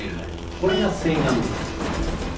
これが清眼です。